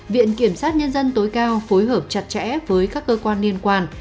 viện kiểm sát nhân dân tối cao phối hợp chặt chẽ với các cơ quan liên quan